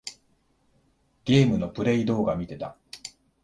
ゲームのプレイ動画みてた。